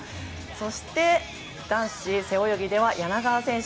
そして、男子背泳ぎでは柳側選手。